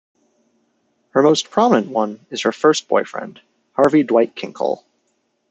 Her most prominent one is her first boyfriend, Harvey Dwight Kinkle.